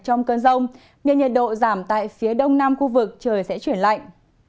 trong cơn rông nên nhiệt độ giảm tại phía đông nam khu vực trời sẽ chuyển lạnh